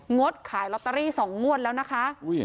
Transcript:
ดขายลอตเตอรี่๒งวดแล้วนะคะ